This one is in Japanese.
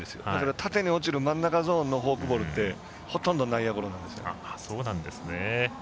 縦に落ちる真ん中ゾーンのフォークボールはほとんど内野ゴロなんです。